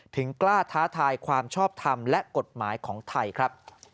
ถึงกล้าท้าทายความชอบทำและกฎหมายของไทยครับ